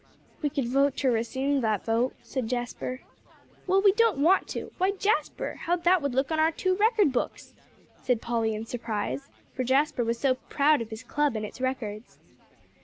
"We could vote to rescind that vote," said Jasper. "Well, we don't want to. Why, Jasper, how that would look on our two record books!" said Polly in surprise, for Jasper was so proud of his club and its records.